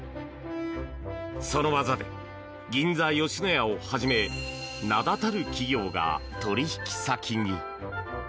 その技で銀座ヨシノヤをはじめ名だたる企業が取引先に。